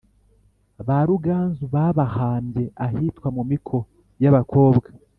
ba ruganzu babahambye ahitwa mu miko y' abakobwa.